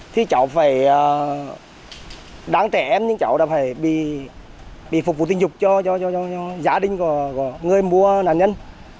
thì cháu phải đáng trẻ em nhưng cháu đã phải bị phục vụ tình dục cho gia đình của người mua nạn nhân